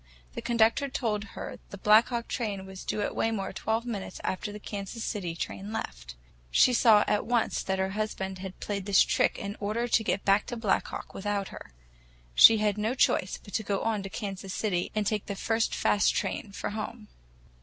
The conductor told her the Black Hawk train was due at Waymore twelve minutes after the Kansas City train left. She saw at once that her husband had played this trick in order to get back to Black Hawk without her. She had no choice but to go on to Kansas City and take the first fast train for home.